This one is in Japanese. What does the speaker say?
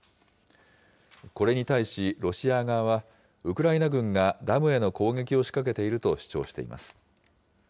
これに対しロシア側は、ウクライナ軍がダムへの攻撃を仕掛けていると主張しています。